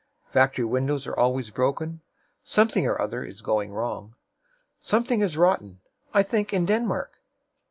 Factory windows are always broken. Something or other is going wrong. Something is rotten I think, in Denmark.